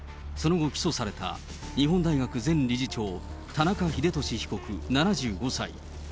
その後、起訴された日本大学前理事長、田中英壽被告７５歳。